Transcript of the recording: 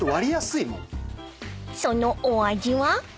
［そのお味は］